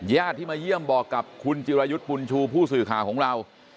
ญาติที่มาเยี่ยมบอกกับคุณจิรายุทธ์บุญชูผู้สื่อข่าวของเรา